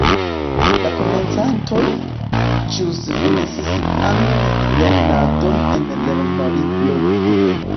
La komencantoj, ĵus finis sian lernadon en lernolibro.